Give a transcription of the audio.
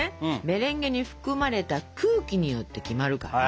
メレンゲに含まれた空気によって決まるから。